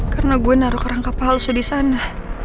karena gue naruh kerangka palsu disana